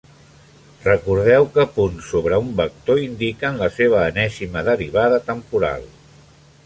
Recordeu que n punts sobre un vector indiquen la seva enèsima derivada temporal.